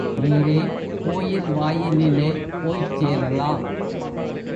நேரே கோயில் வாயிலிலே போய்ச் சேரலாம்.